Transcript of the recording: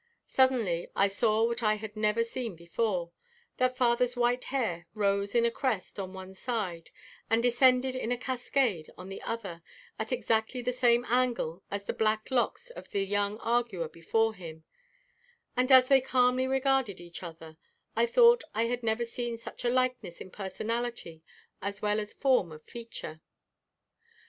Suddenly I saw what I had never seen before, that father's white hair rose in a crest on one side and descended in a cascade on the other at exactly the same angle as the black locks of the young arguer before him, and as they calmly regarded each other I thought I had never seen such a likeness in personality as well as form of feature.